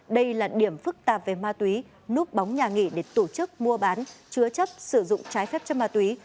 đây là điểm phức tạp về ma túy núp bóng nhà nghỉ để tổ chức mua bán chứa chấp sử dụng trái phép chất ma túy